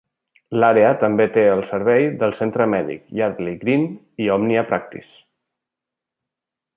L'àrea també té el servei del Centre mèdic Yardley Green i Omnia Practice.